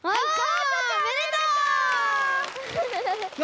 おめでとう！よ